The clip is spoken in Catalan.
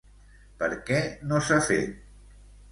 Per què no s'ha fet?